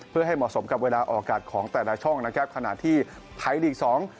เพื่อให้เหมาะสมกับเวลาออกอากาศของแต่ละช่องนะครับขณะที่ไทยลีกสอง